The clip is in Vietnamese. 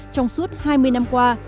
trong suốt hai mươi năm qua